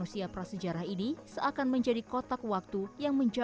umurnya ini sudah ribuan tahun yang lalu